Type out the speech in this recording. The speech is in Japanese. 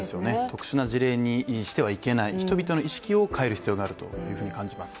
特殊な事例にしてはいけない、人々の意識を変える必要があると感じます。